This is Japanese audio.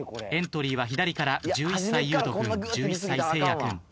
エントリーは左から１１歳優人君１１歳聖矢君。